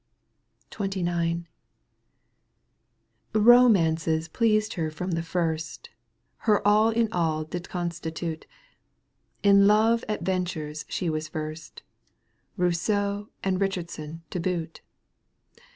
XXIX. itomances pleased her from the first, Her all in all did constitute ; In love adventures she was versed, Bousseau and Eichardson to boot.